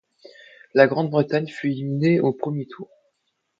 La Grande-Bretagne fut éliminée au premier tour.